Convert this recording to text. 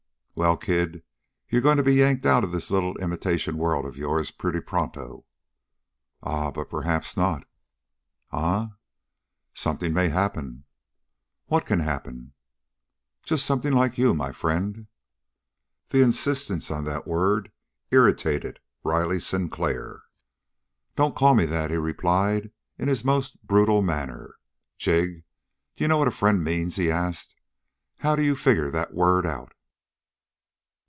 "Well, kid, you're going to be yanked out of this little imitation world of yours pretty pronto." "Ah, but perhaps not!" "Eh?" "Something may happen." "What can happen?" "Just something like you, my friend." The insistence on that word irritated Riley Sinclair. "Don't call me that," he replied in his most brutal manner. "Jig, d'you know what a friend means?" he asked. "How d'you figure that word out?"